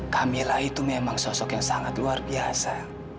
camillah itu memang sosok yang sangat luar biasa